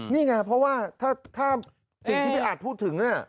นี่ไงเพราะว่าถ้าสิ่งที่พี่อาจพูดถึงเนี่ย